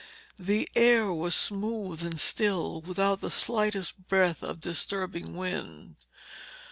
The air was smooth and still, without the slightest breath of disturbing wind.